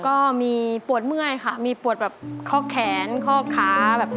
ก็มีปวดเมื่อยครับมีปวดแบบข้อแขนข้า